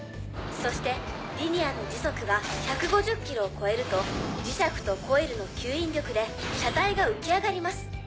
そしてリニアの時速が１５０キロを超えると磁石とコイルの吸引力で車体が浮き上がります。